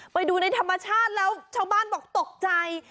ไปดูในธรรมชาติแล้วชาวบ้านบอกตกใจ